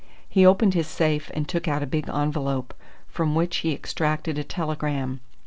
He opened his safe and took out a big envelope, from which he extracted a telegram.